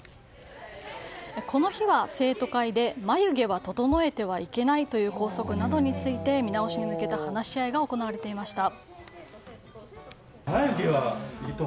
この日は生徒会で眉毛は整えてはいけないという校則などについて見直しに向けた話し合いが行われていました。